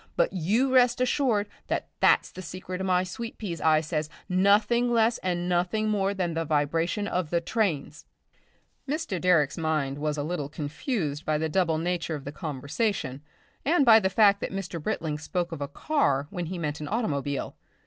'But you rest assured that that's the secret of my sweet peas,' I says, 'nothing less and nothing more than the vibritation of the trains.'" Mr. Direck's mind was a little confused by the double nature of the conversation and by the fact that Mr. Britling spoke of a car when he meant an automobile.